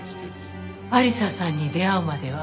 亜里沙さんに出会うまでは。